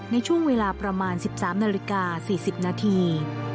ในช่วงเวลาประมาณ๑๓นาฬิกา๔๐นาที